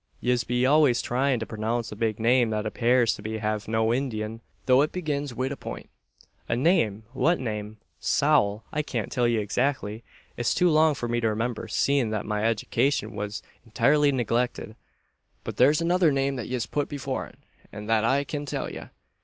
Yez be always tryin' to pronounce a big name that appares to have no indin', though it begins wid a point!" "A name! What name?" "Sowl! I kyan't till ye exakly. It's too long for me to remimber, seein' that my edicashun was intirely neglicted. But there's another name that yez phut before it; an that I kyan tell ye.